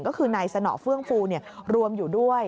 ก็คือนายสนอเฟื่องฟูรวมอยู่ด้วย